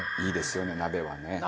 いいですよね鍋はね。